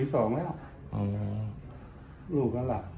ลูกกันหลับ